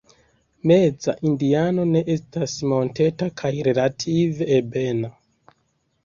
Meza Indianao ne estas monteta kaj relative ebena.